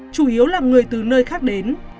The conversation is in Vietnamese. chủ yếu là người từ nơi khác đến